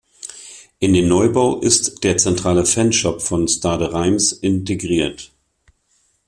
In den Neubau ist der zentrale Fanshop von Stade Reims integriert.